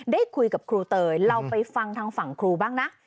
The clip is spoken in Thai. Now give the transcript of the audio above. ได้คุยกับครูเตยเราไปฟังทางฝั่งครูบ้างนะ